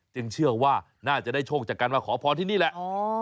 เชื่อว่าน่าจะได้โชคจากการมาขอพรที่นี่แหละ